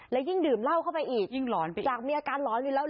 แล้วยิ่งดื่มเหล้าเข้าไปอีกจากมีอาการหลอนอีกแล้ว